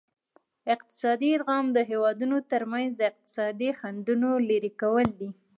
اقتصادي ادغام د هیوادونو ترمنځ د اقتصادي خنډونو لرې کول دي